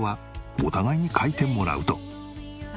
お互いに書いてもらうと。